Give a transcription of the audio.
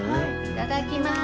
いただきます。